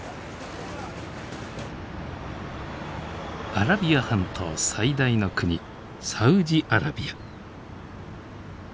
アラビア半島最大の国サウジアラビア。